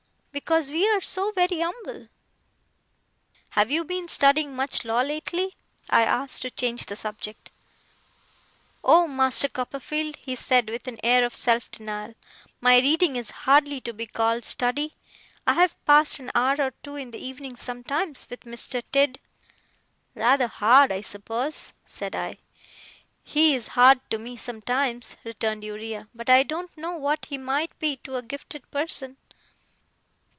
Because we are so very umble.' 'Have you been studying much law lately?' I asked, to change the subject. 'Oh, Master Copperfield,' he said, with an air of self denial, 'my reading is hardly to be called study. I have passed an hour or two in the evening, sometimes, with Mr. Tidd.' 'Rather hard, I suppose?' said I. 'He is hard to me sometimes,' returned Uriah. 'But I don't know what he might be to a gifted person.